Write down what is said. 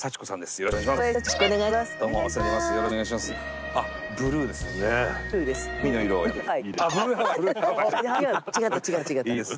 よろしくお願いします。